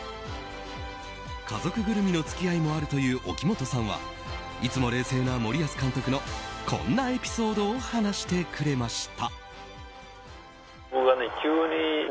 家族ぐるみの付き合いもあるという沖本さんはいつも冷静な森保監督のこんなエピソードを話してくれました。